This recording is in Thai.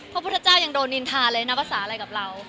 พระพุทธเจ้ายังโดนนินทาเลยนะภาษาอะไรกับเรา